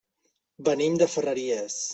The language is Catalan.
Venim de Ferreries.